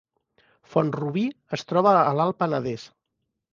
Font-rubí es troba a l’Alt Penedès